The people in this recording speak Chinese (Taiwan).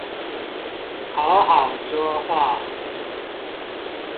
好好說話